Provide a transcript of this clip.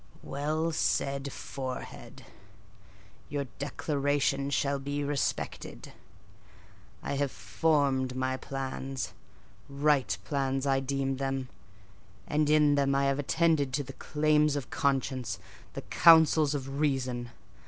"Well said, forehead; your declaration shall be respected. I have formed my plans—right plans I deem them—and in them I have attended to the claims of conscience, the counsels of reason.